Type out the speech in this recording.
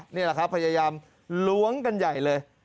นี่แหละครับพยายามล้วงกันใหญ่เลย